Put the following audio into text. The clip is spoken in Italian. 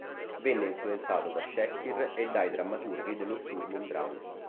Venne influenzato da Shakespeare e dai drammaturghi dello Sturm und Drang.